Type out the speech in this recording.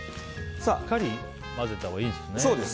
しっかり混ぜたほうがいいんですね。